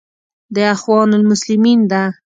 دا اخوان المسلمین ده.